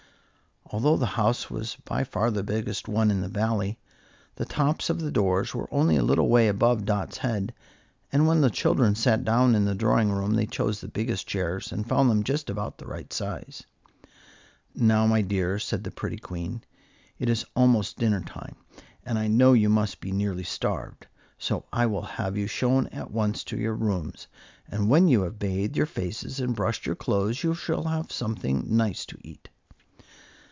Although the house was by far the biggest one in the Valley, the tops of the doors were only a little way above Dot's head, and when the children sat down in the drawing room they chose the biggest chairs, and found them just about the right size. "Now, my dears," said the pretty Queen, "it is almost dinner time, and I know you must be nearly starved; so I will have you shown at once to your rooms, and when you have bathed your faces and brushed your clothes you shall have something nice to eat."